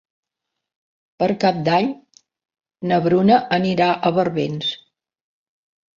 Per Cap d'Any na Bruna anirà a Barbens.